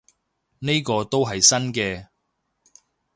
呢個都係新嘅